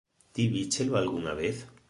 _¿Ti víchelo algunha vez?